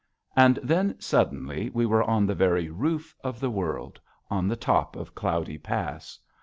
And then, suddenly, we were on the very roof of the world, on the top of Cloudy Pass.